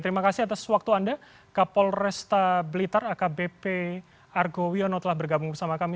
terima kasih atas waktu anda kapol resta blitar akbp argo wiono telah bergabung bersama kami